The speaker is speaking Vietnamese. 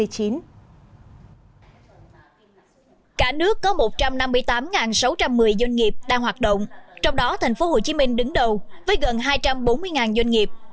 cả nước có một trăm năm mươi tám sáu trăm một mươi doanh nghiệp đang hoạt động trong đó tp hcm đứng đầu với gần hai trăm bốn mươi doanh nghiệp